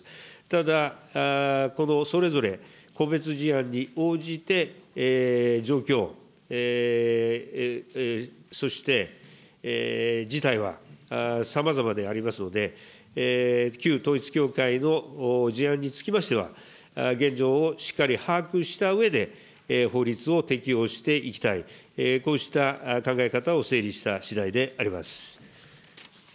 ただ、このそれぞれ、個別事案に応じて、状況、そして事態はさまざまでありますので、旧統一教会の事案につきましては、現状をしっかり把握したうえで、法律を適用していきたい、こうした考え方を整理したしだいであります。